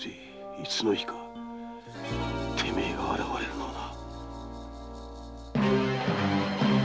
いつの日かてめえが現れるのをな。